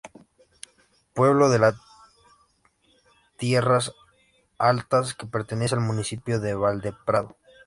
Pueblo de la de Tierras Altas que pertenece al municipio de Valdeprado.